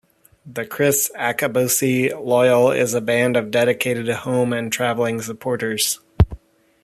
The Kriss Akabusi Loyal is a band of dedicated home and traveling supporters.